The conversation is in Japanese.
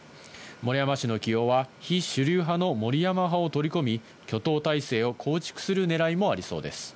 森山氏の起用は、非主流派の森山派を取り込み、挙党態勢を構築するねらいもありそうです。